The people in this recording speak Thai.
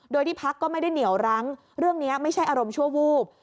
โดยที่พักก็ไม่ได้เหนียวรั้งเรื่องนี้ไม่ใช่อารมณ์ชั่ววูบ